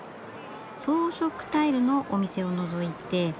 装飾タイルのお店をのぞいて。